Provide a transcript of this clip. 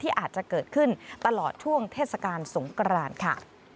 อาจจะเกิดขึ้นตลอดช่วงเทศกาลสงกรานค่ะ